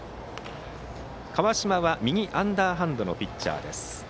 川島は右アンダーハンドのピッチャーです。